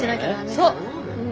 そう。